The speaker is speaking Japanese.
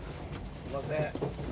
すんません。